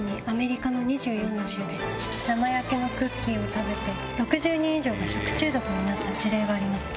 生焼けのクッキーを食べて６０人以上が食中毒になった事例があります。